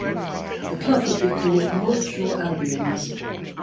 The club would be called North Shore Albions.